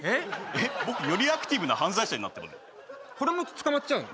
えっ僕よりアクティブな犯罪者になってるこれも捕まっちゃうの？